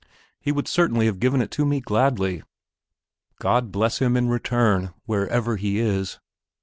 He would certainly have given it to me gladly. God bless him in return, wherever he is!...